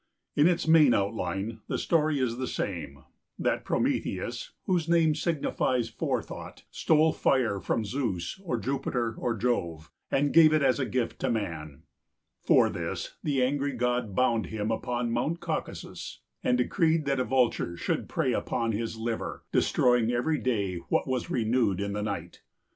In its main outline the story is the same: that Prometheus, whose name signifies Forethought, stole fire from Zeus, or Jupiter, or Jove, and gave it as a gift to man. For this, the angry god bound him upon Mount Caucasus, and decreed that a vulture should prey upon his liver, destroying every day what was renewed in the night.